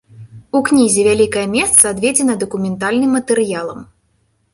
У кнізе вялікае месца адведзена дакументальным матэрыялам.